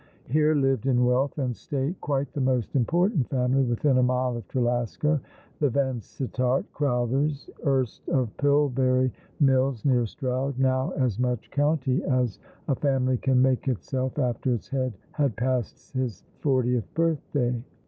Here lived in wealth and state quite the most important family within a mile of Trelasco, the Vansittart Crowthers, erst of Pilbnry Mills, near Stroud, now as much county as a family can make itself after its head has passed his fortieth birthday.